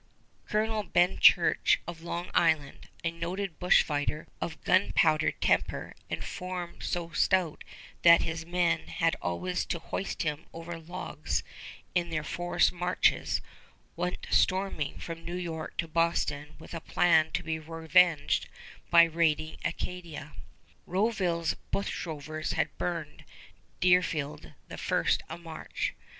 Colonel Ben Church of Long Island, a noted bushfighter, of gunpowder temper and form so stout that his men had always to hoist him over logs in their forest marches, went storming from New York to Boston with a plan to be revenged by raiding Acadia. Rouville's bushrovers had burned Deerfield the first of March.